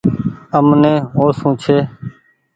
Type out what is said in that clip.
امني اوسون ڇي۔